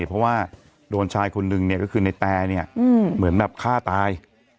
เพราะว่าโดนชายคนนึงเนี่ยก็คือในแตเนี่ยเหมือนแบบฆ่าตาย